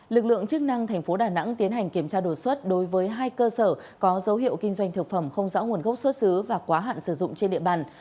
lực lượng chức năng tp đà nẵng tiến hành kiểm tra đột xuất đối với hai cơ sở có dấu hiệu kinh doanh thực phẩm không rõ nguồn gốc xuất xứ và quá hạn sử dụng trên địa bàn